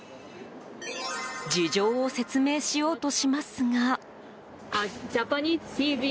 事情を説明しようとしますが。